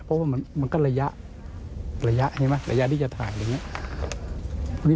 เพราะว่ามันก็ระยะระยะที่จะถ่ายอย่างนี้